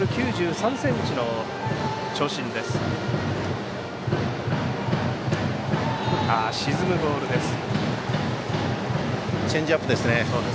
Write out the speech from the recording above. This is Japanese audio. １ｍ９３ｃｍの長身です。